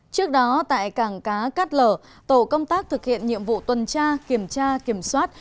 trước đó tại cảng cá cát lở tổ công tác thực hiện nhiệm vụ tuần tra kiểm tra kiểm soát